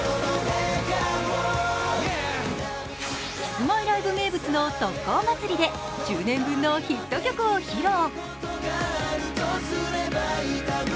キスマイライブ名物の特効祭りで１０年分のヒット曲を披露。